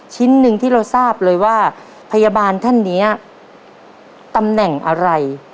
ชิ้นหนึ่งที่เราทราบเลยว่าพยาบาลท่านนี้ตำแหน่งอะไร